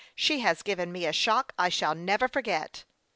She has given me a shoclf I shall never forget."